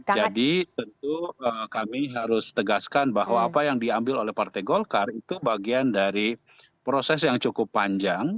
jadi tentu kami harus tegaskan bahwa apa yang diambil oleh partai golkar itu bagian dari proses yang cukup panjang